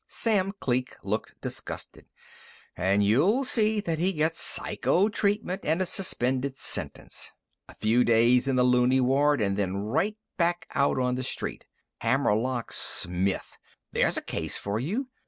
Sam Kleek looked disgusted. "And you'll see that he gets psycho treatment and a suspended sentence. A few days in the looney ward, and then right back out on the street. Hammerlock Smith! There's a case for you!